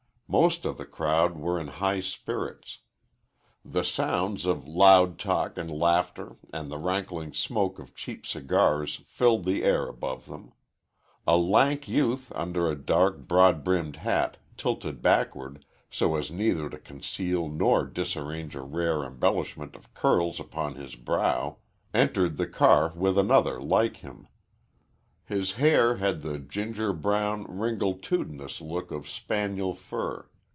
Most of the crowd were in high spirits. The sounds of loud talk and laughter and the rankling smoke of cheap cigars filled the air above them. A lank youth under a dark, broad brimmed hat, tilted backward, so as neither to conceal nor disarrange a rare embellishment of curls upon his brow, entered the car with another like him. His hair had the ginger brown, ringletudinous look of spaniel fur.